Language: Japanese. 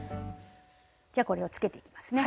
じゃこれをつけていきますね。